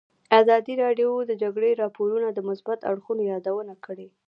ازادي راډیو د د جګړې راپورونه د مثبتو اړخونو یادونه کړې.